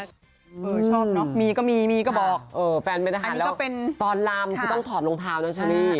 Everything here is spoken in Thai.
ชอบเนอะมีก็มีมีก็บอกแฟนเป็นอาหารแล้วตอนลำคือต้องถอดรองเท้านั้นใช่มั้ย